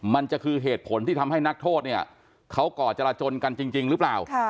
มันจะคือเหตุผลที่ทำให้นักโทษเนี่ยเขาก่อจราจนกันจริงหรือเปล่า